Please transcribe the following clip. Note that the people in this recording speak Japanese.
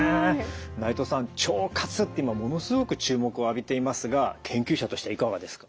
内藤さん腸活って今ものすごく注目を浴びていますが研究者としてはいかがですか？